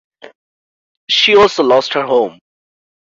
She also lost her home.